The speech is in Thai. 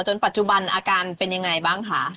ปัจจุบันอาการเป็นยังไงบ้างคะ